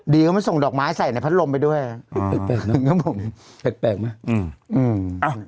ดีก็ไม่ส่งดอกไม้ใส่ในพัดลมไปด้วยแปลกมามันแปลกมาอืมอืมอ่า